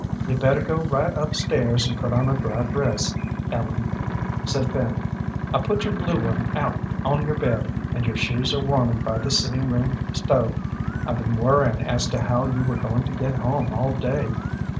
"You'd better go right up stairs and put on a dry dress, Ellen," said Fanny. "I put your blue one out on your bed, and your shoes are warming by the sitting room stove. I've been worrying as to how you were going to get home all day."